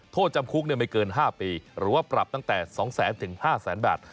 โทษจำคุกไม่เกิน๕ปีหรือว่าปรับตั้งแต่๒๐๐๐๕๐๐๐๐บาท